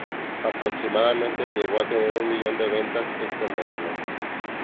Aproximadamente llegó a tener un millón de ventas este modelo.